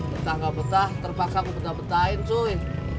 betah gak betah terpaksa aku betah betahin cuy